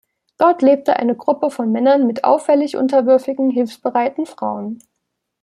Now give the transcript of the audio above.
Dort lebt eine Gruppe von Männern mit auffällig unterwürfigen, hilfsbereiten Frauen.